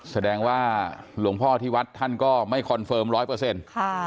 แสดงว่าหลวงพ่อที่วัดท่านก็ไม่คอนเฟิร์มร้อยเปอร์เซ็นต์ค่ะ